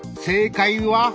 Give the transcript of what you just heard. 正解は？